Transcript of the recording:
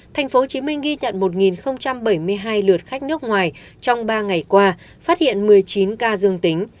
tp hcm ghi nhận một bảy mươi hai lượt khách nước ngoài trong ba ngày qua phát hiện một mươi chín ca dương tính